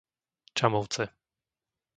Čamovce